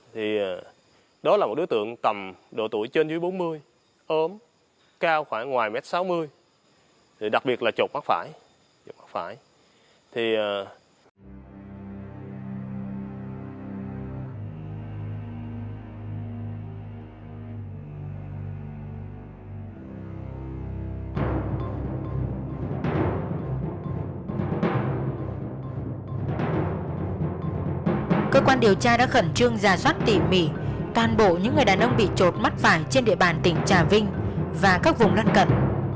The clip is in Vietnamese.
thì đó là một đối tượng tầm độ tuổi trên dưới bốn mươi ốm cao khoảng ngoài một m sáu mươi đặc biệt là trột mắt phải trên địa bàn tỉnh trà vinh và các vùng gắn cận